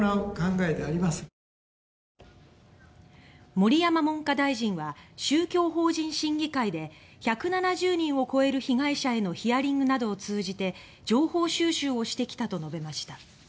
盛山文科大臣は宗教法人審議会で１７０人を超える被害者へのヒアリングなどを通じて情報収集をしてきたと述べました。